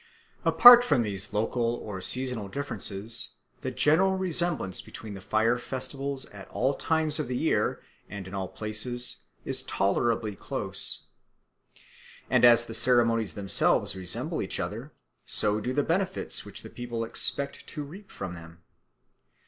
Apart from these local or seasonal differences, the general resemblance between the fire festivals at all times of the year and in all places is tolerably close. And as the ceremonies themselves resemble each other, so do the benefits which the people expect to reap from them.